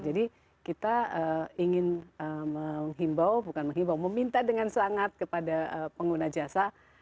jadi kita ingin menghimbau bukan menghimbau meminta dengan sangat kepada pengguna jasa